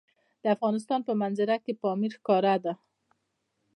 د افغانستان په منظره کې پامیر ښکاره ده.